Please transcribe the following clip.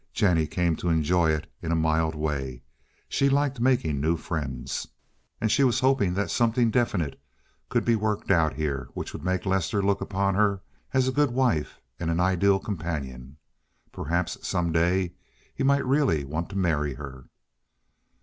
Jennie came to enjoy it in a mild way. She liked making new friends, and she was hoping that something definite could be worked out here which would make Lester look upon her as a good wife and an ideal companion. Perhaps, some day, he might really want to marry her.